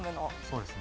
そうです。